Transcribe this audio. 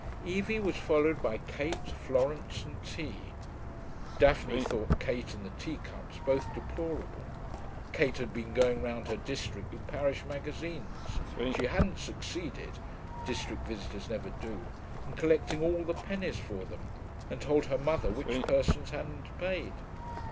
Evie was followed by Kate, Florence, and tea. Daphne thought Kate and the tea cups both deplorable. Kate had been going round her district with parish magazines. She hadn't succeeded (district visitors never do) in collecting all the pennies for them, and told her mother which persons hadn't paid.